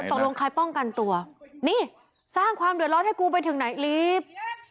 ตกลงใครป้องกันตัวนี่สร้างความเดือดร้อนให้กูไปถึงไหนรีบ